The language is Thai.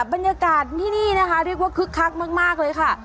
บรรยากาศที่นี่นะคะเรียกว่าคึกคักมากเลยค่ะ